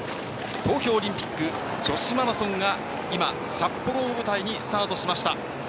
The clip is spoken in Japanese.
東京オリンピック女子マラソンが今、札幌を舞台にスタートしました。